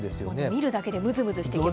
見るだけでむずむずしてきます。